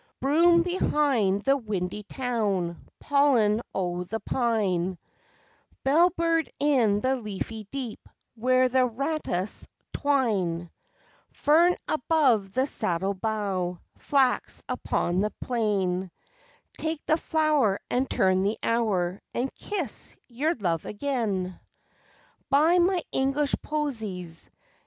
Broom behind the windy town; pollen o' the pine Bell bird in the leafy deep where the ratas twine Fern above the saddle bow, flax upon the plain Take the flower and turn the hour, and kiss your love again! Buy my English posies!